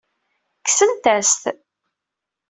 Kksent-as-t.